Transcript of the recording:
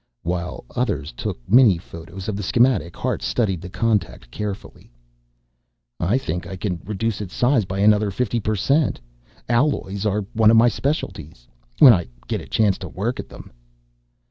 While others took miniphotos of the schematic, Hart studied the contact carefully. "I think I can reduce its size by another fifty per cent. Alloys are one of my specialties when I get a chance to work at them."